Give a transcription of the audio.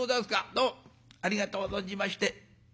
どうもありがとう存じまして。